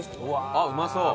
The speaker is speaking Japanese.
あっうまそう。